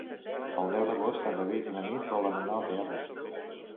El deu d'agost en David i na Nit volen anar al teatre.